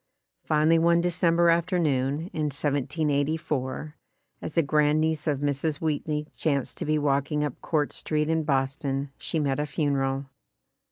Finally one December afternoon, in 1784, as a grand niece of Mrs. Wheatley chanced to be walking up Court Street in Boston she met a funeral.